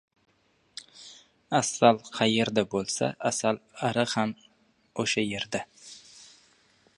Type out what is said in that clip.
• Asal qayerda bo‘lsa, asalari ham o‘sha yerda.